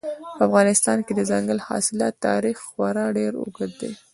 په افغانستان کې د ځنګلي حاصلاتو تاریخ خورا ډېر اوږد دی.